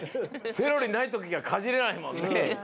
セロリないときはかじれないもんね。